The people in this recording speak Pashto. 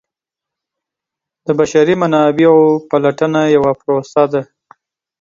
د بشري منابعو پلټنه یوه پروسه ده.